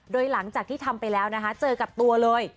โดยหลังจากที่ทำไปแล้วนะคะเจอกับตัวเลย